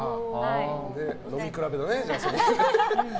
飲み比べをね。